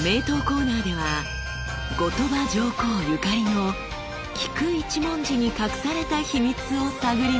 コーナーでは後鳥羽上皇ゆかりの菊一文字に隠された秘密を探ります。